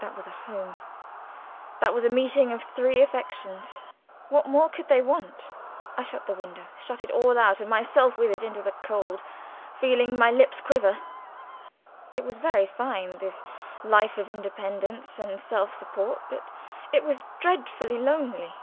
That was a home that was a meeting of three affections. What more could they want? I shut the window shut it all out, and myself with it into the cold, feeling my lips quiver. It was very fine, this life of independence and self support, but it was dreadfully lonely.